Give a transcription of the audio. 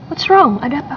apa salahnya ada apa